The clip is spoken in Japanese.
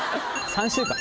３週間？